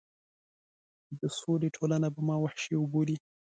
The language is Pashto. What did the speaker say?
د سولې ټولنه به ما وحشي وبولي.